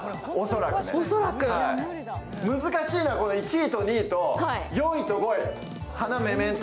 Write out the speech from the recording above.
難しいのは１位と２位と４位と５位。